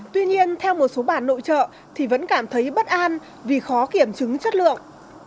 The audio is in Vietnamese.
tuy nhiên theo một số bản nội trợ thì vẫn cảm thấy bất an vì khó kiểm chứng chất lượng